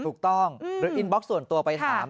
ถูกต้องหรืออินบล็อกส่วนตัวไปถาม